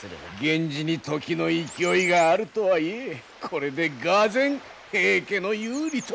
源氏に時の勢いがあるとはいえこれでがぜん平家の有利となったわ。